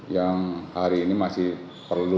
yang hari ini masih perlu